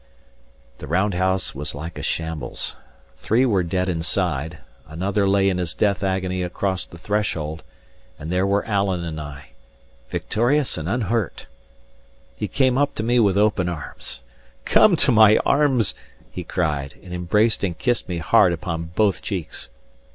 The round house was like a shambles; three were dead inside, another lay in his death agony across the threshold; and there were Alan and I victorious and unhurt. He came up to me with open arms. "Come to my arms!" he cried, and embraced and kissed me hard upon both cheeks.